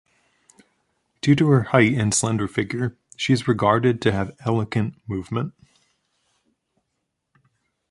Due to her height and slender figure, she is regarded to have elegant movement.